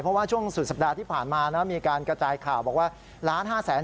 เพราะว่าช่วงสุดสัปดาห์ที่ผ่านมามีการกระจายข่าวบอกว่าล้านห้าแสน